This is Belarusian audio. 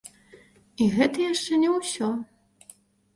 І гэта яшчэ не ўсё.